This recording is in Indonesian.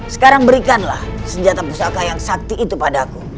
sekarang berikanlah senjata pusaka yang sakti itu padaku